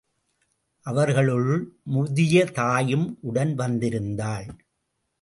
அவர்களுள் முதிய தாயும் உடன் வந்திருந் தாள்.